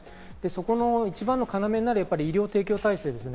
そこの一番の要になるのは医療提供体制です。